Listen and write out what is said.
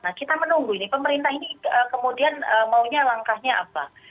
nah kita menunggu ini pemerintah ini kemudian maunya langkahnya apa